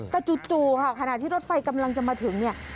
แต่จู่ค่ะขณะที่รถไฟกำลังจะมาถึงเนี่ย